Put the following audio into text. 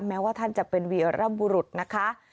แม้ว่าท่านจะเป็นวีรบุรุษนะคะ